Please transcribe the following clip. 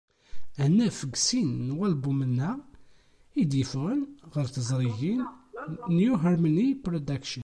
Ad naf deg sin n walbumen-a, i d-yeffɣen ɣer teẓrigin New Harmonie Production.